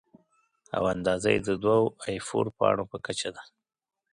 او اندازه یې د دوو اې فور پاڼو په کچه ده.